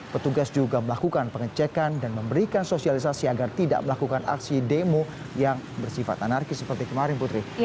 petugas juga melakukan pengecekan dan memberikan sosialisasi agar tidak melakukan aksi demo yang bersifat anarkis seperti kemarin putri